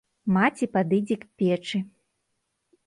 Маці падыдзе к печы.